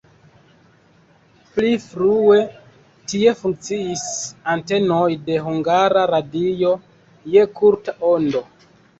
Pli frue tie funkciis antenoj de Hungara Radio je kurta ondo.